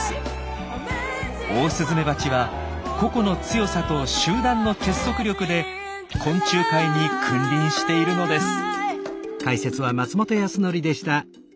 オオスズメバチは個々の強さと集団の結束力で昆虫界に君臨しているのです。